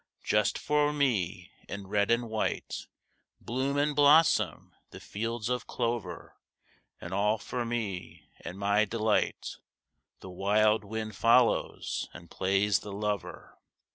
Just for me, in red and white, Bloom and blossom the fields of clover; And all for me and my delight The wild Wind follows and plays the lover.